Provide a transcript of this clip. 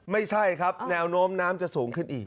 ไม่ใช่ครับแนวโน้มน้ำจะสูงขึ้นอีก